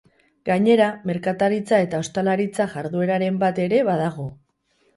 Gainera, merkataritza eta ostalaritza jardueraren bat ere badago.